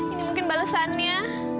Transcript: ini mungkin balesannya